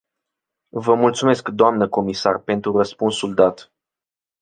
Vă mulțumesc, doamnă comisar, pentru răspunsul dat.